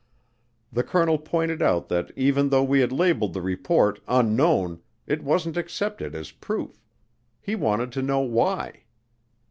The colonel pointed out that even though we had labeled the report "Unknown" it wasn't accepted as proof. He wanted to know why.